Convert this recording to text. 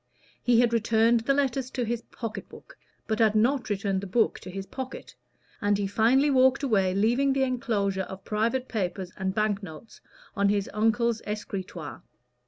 He had returned the letters to his pocket book but had not returned the book to his pocket, and he finally walked away leaving the enclosure of private papers and bank notes on his uncle's escritoire.